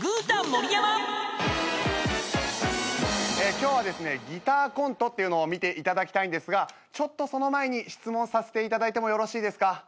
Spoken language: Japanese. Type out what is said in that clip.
今日はギターコントっていうのを見ていただきたいんですがその前に質問させていただいてもよろしいですか？